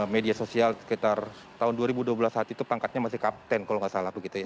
media sosial sekitar tahun dua ribu dua belas saat itu pangkatnya masih kapten kalau nggak salah begitu ya